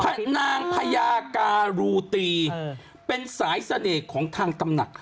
นางพญาการูตีเป็นสายเสน่ห์ของทางตำหนัก